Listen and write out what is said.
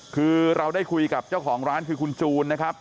คือเราได้คุยกับเจ้าของร้านคือคุณจูนนะครับ